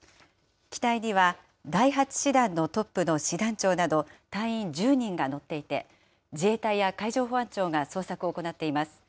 機体には、第８師団のトップの師団長など隊員１０人が乗っていて、自衛隊や海上保安庁が捜索を行っています。